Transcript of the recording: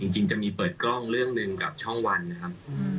จริงจะมีเปิดกล้องเรื่องหนึ่งกับช่องวันนะครับ